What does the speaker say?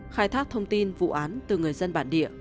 khai thác thông tin vụ án từ người dân bản địa